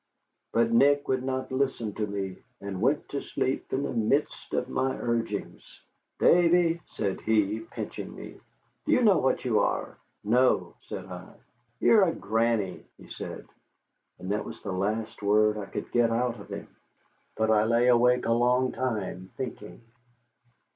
But Nick would not listen to me, and went to sleep in the midst of my urgings. "Davy," said he, pinching me, "do you know what you are?" "No," said I. "You're a granny," he said. And that was the last word I could get out of him. But I lay awake a long time, thinking.